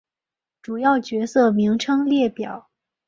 主要角色名称列表。